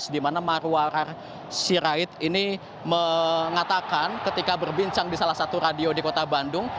dimana marwar sirait ini mengatakan ketika berbincang di salah satu radio di kota bandung